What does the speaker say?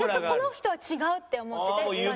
この人は違うって思ってて。